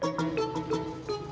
bapak bapak prabut yuk